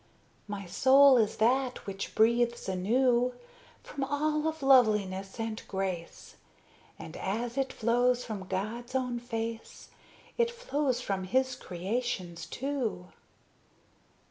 My soul is that which breathes anew From all of loveliness and grace; And as it flows from God's own face, It flows from His creations, too.